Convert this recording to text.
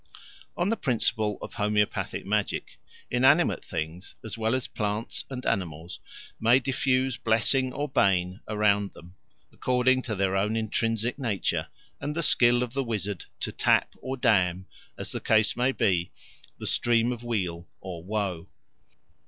On the principle of homoeopathic magic, inanimate things, as well as plants and animals, may diffuse blessing or bane around them, according to their own intrinsic nature and the skill of the wizard to tap or dam, as the case may be, the stream of weal or woe.